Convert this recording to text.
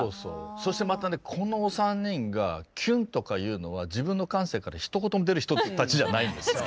そしてまたねこのお三人が「キュン」とかいうのは自分の感性からひと言も出る人たちじゃないんです。